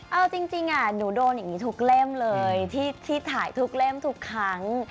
เอาจริงหนูโดนอย่างนี้ทุกเล่มเลยที่ถ่ายทุกเล่มทุกครั้ง